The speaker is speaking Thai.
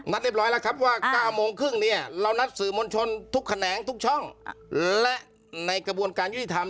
นัดเรียบร้อยแล้วครับว่าต่ำโมงครึ่งเรานัดสื่อม้วนชนทุกแขนงและในกระบวนการยุติธรรม